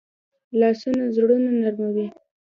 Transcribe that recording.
لاسونه زړونه نرموي